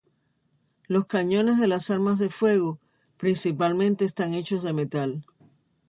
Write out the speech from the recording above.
Los cañones de las armas de fuego principalmente están hechos de metal.